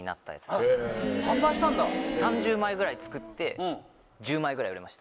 ３０枚ぐらい作って１０枚ぐらい売れました。